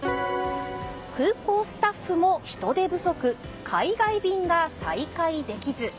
空港スタッフも人手不足海外便が再開できず。